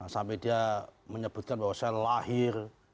sampai dia menyebutkan bahwa saya lahir